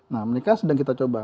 nah mereka sedang kita coba